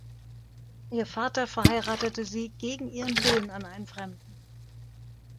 Ihr Vater verheiratete sie gegen ihren Willen an einen Fremden.